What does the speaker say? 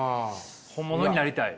本物になりたい。